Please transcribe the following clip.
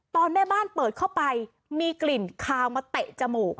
แม่บ้านเปิดเข้าไปมีกลิ่นคาวมาเตะจมูก